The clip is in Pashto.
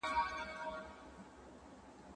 انارګل ته د کوژدنې خبر لوی زېری و.